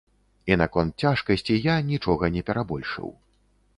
І наконт цяжкасці я нічога не перабольшыў.